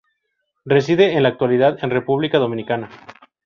Reside en la actualidad en República Dominicana.